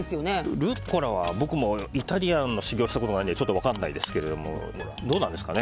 ルッコラは僕もイタリアンの修業をしたことがないので分からないですけどどうなんですかね。